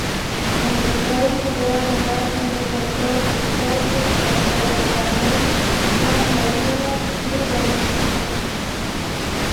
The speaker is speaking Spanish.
En Uruguay jugó además en Defensor Sporting, Central Español, Rampla Juniors y Rentistas.